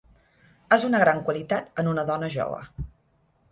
És una gran qualitat en una dona jove.